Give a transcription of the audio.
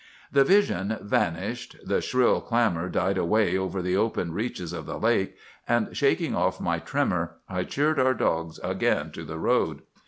"The vision vanished, the shrill clamor died away over the open reaches of the lake, and shaking off my tremor, I cheered our dogs again to the road.